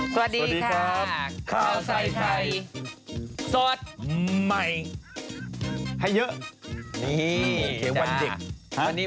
สวัสดีครับข้าวใส่ไข่สดใหม่ให้เยอะนี่เดี๋ยววันเด็ก